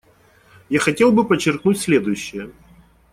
Я хотел бы подчеркнуть следующее.